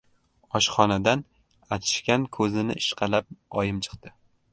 Oshxonadan achishgan ko‘zini ishqalab oyim chiqdi.